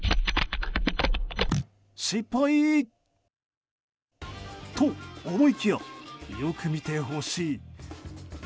失敗、と思いきやよく見てほしい。